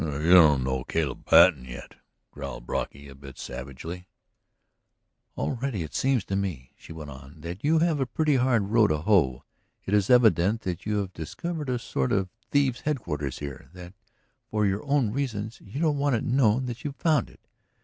"You don't know Caleb Patten yet!" growled Brocky a bit savagely. "Already it seems to me," she went on, "that you have a pretty hard row to hoe. It is evident that you have discovered a sort of thieves' headquarters here; that, for your own reasons, you don't want it known that you have found it.